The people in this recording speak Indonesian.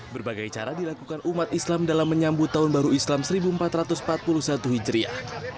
berbagai cara dilakukan umat islam dalam menyambut tahun baru islam seribu empat ratus empat puluh satu hijriah